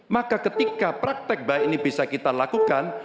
maka ketika praktek baik ini bisa kita lakukan